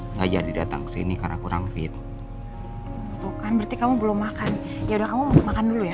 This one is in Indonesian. nggak jadi datang sini karena kurang fit bukan berarti kamu belum makan ya udah makan dulu ya